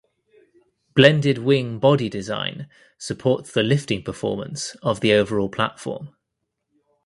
Blended wing body design supports the lifting performance of the overall platform.